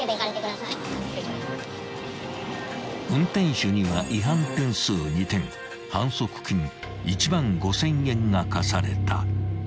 ［運転手には違反点数２点反則金１万５，０００円が科された］